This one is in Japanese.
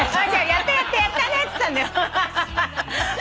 「やったやったやったね！」っつったんだよ。